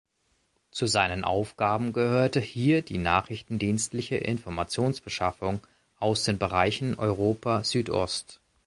Zu seinen Aufgaben gehörte hier die nachrichtendienstliche Informationsbeschaffung aus den Bereichen Europa Süd-Ost.